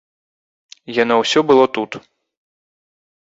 Яно ўсё было тут.